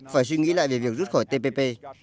phải suy nghĩ lại về việc rút khỏi tpp